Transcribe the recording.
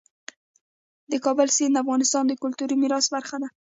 د کابل سیند د افغانستان د کلتوري میراث برخه ده.